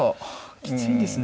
きついんですね。